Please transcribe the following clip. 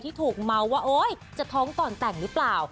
ถูกเมาว่าจะท้องก่อนแต่งหรือเปล่า